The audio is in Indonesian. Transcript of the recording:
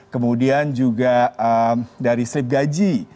kemudian juga dari slip gaji